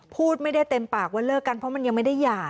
พูดไม่ได้เต็มปากว่าเลิกกันเพราะมันยังไม่ได้หย่า